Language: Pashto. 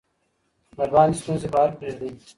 د باندې ستونزې بهر پریږدئ.